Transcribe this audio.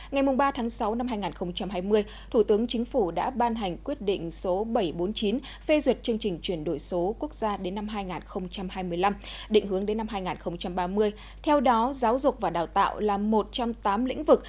ngày ba tháng sáu năm hai nghìn một mươi năm bộ chính trị đã đặt một bộ phát triển của các doanh nghiệp